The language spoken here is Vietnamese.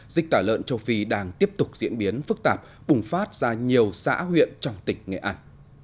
dịch tả lợn châu phi đang tiếp tục diễn biến phức tạp bùng phát ra nhiều xã huyện trong tỉnh nghệ an